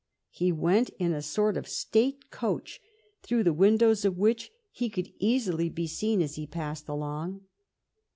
He went in a sort of state coach, through the windows of which he could easily be seen as he passed along.